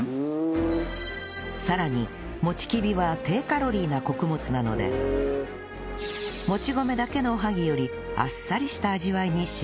さらにもちきびは低カロリーな穀物なのでもち米だけのおはぎよりあっさりした味わいに仕上げているんです